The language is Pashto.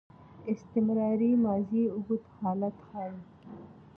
استمراري ماضي اوږد حالت ښيي.